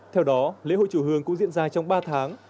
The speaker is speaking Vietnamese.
theo đó lễ hội chùa hương cũng diễn ra trong ba tháng